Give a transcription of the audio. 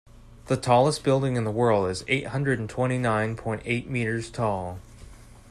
The tallest building in the world is eight hundred twenty nine point eight meters tall.